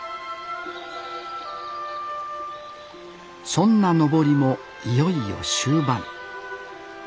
そんな登りもいよいよ終盤。